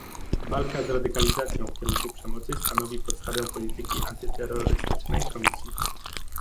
Walka z radykalizacją w kierunku przemocy stanowi podstawę polityki antyterrorystycznej Komisji